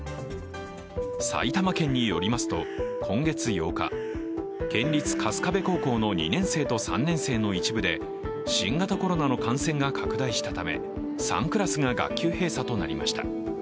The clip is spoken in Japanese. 埼玉県によりますと、今月８日、県立春日部高校の２年生と３年生の一部で新型コロナの感染が拡大したため、３クラスが学級閉鎖となりました。